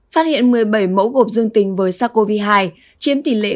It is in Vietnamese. phát hiện một mươi bảy mẫu gộp dương tính với sars cov hai chiếm tỷ lệ